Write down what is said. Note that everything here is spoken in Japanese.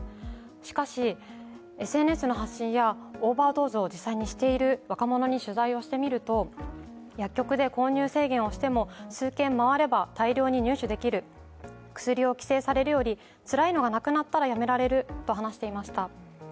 しかし、ＳＮＳの発信やオーバードーズを実際にしている若者に取材してみても薬局で購入制限をしても、数軒回れば大量に入手できる、薬を規制されるより、つらいのがなくなったらやめられると話していました。